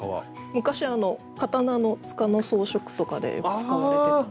昔刀の柄の装飾とかでよく使われてた。